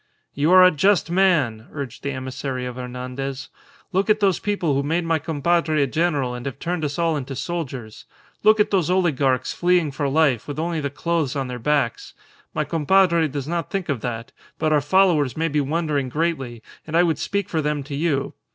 "You are a just man," urged the emissary of Hernandez. "Look at those people who made my compadre a general and have turned us all into soldiers. Look at those oligarchs fleeing for life, with only the clothes on their backs. My compadre does not think of that, but our followers may be wondering greatly, and I would speak for them to you.